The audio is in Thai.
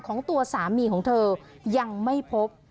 ของตัวสามีของเธอยังไม่พบ